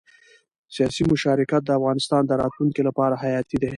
سیاسي مشارکت د افغانستان د راتلونکي لپاره حیاتي دی